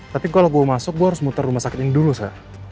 tapi kalo gue masuk gue harus muter rumah sakit ini dulu sa